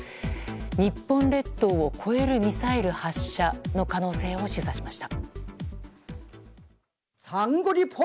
日本列島を越えるミサイル発射の可能性を示唆しました。